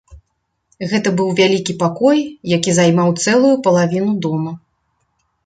Гэта быў вялікі пакой, які займаў цэлую палавіну дома.